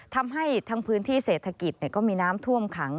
ทำให้ทั้งพื้นที่เศรษฐกิจก็มีน้ำท่วมขัง